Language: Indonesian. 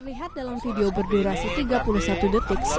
terlihat dalam video berdurasi tiga puluh satu detik